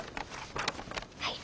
はい。